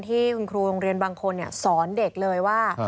ที่คุณครูโรงเรียนบางคนสอนเด็กเลยว่า